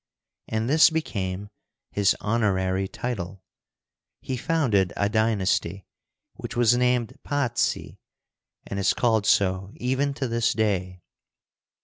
And this became his honorary title. He founded a dynasty, which was named Pazzi, and is called so even to this day.